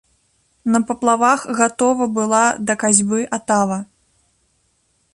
На паплавах гатова была да касьбы атава.